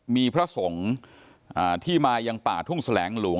มีพระสงฆ์ที่มายังป่าทุ่งแสลงหลวง